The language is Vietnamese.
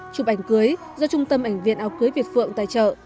chụp ảnh cưới do trung tâm ảnh viện áo cưới việt phượng tài trợ